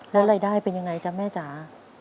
แล้วรายได้เป็นยังไงจ๊ะแม่จ๋า